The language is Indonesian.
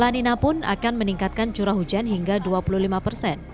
lanina pun akan meningkatkan curah hujan hingga dua puluh lima persen